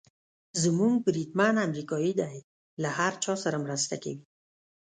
زموږ بریدمن امریکایي دی، له هر چا سره مرسته کوي.